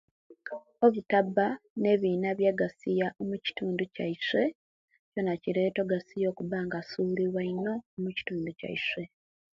Okutaba nebina biyegasiya mukitundu kiyaiswe kiyona kireta ogsiya okuba nga asulibwa ino omukitundu kiyaiswe